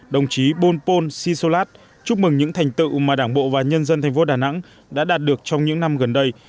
đồng chí bonpon sisolat chúc mừng những thành tựu mà đảng bộ và nhân dân thành phố đà nẵng đã đạt được trong những năm gần đây